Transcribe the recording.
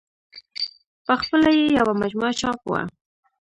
په خپله یې یوه مجموعه چاپ وه.